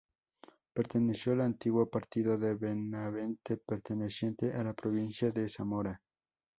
Perteneció al antiguo Partido de Benavente, perteneciente a la Provincia de Zamora.